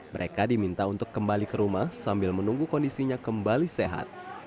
mereka diminta untuk kembali ke rumah sambil menunggu kondisinya kembali sehat